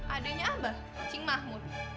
adanya abah cing mahmud